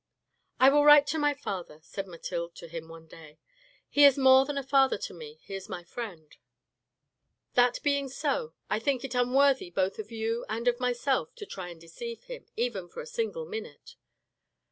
" I will write to my father," said Mathilde to him one day, " he is more than a father to me, he is a friend ; that being THE TIGER 443 so, I think it unworthy both of you and of myself to try and deceive him, even for a single minute."